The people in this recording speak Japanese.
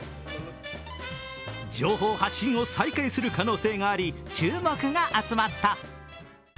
情報発信を再開する可能性があり、注目が集まった。